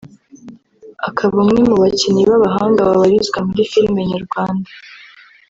akaba umwe mu bakinnyi b'abahanga babarizwa muri filime nyarwannda